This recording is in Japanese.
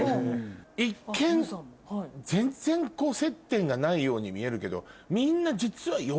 一見全然接点がないように見えるけど。